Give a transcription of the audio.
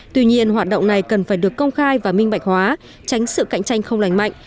tuy nhiên hoạt động này cần phải được công khai và minh bạch hóa tránh sự cạnh tranh không lành mạnh